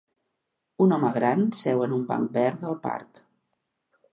Un home gran seu en un banc verd del parc.